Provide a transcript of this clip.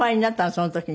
その時に。